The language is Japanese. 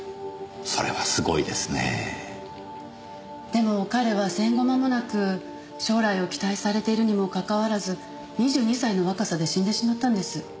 でも彼は戦後間もなく将来を期待されているにもかかわらず２２歳の若さで死んでしまったんです。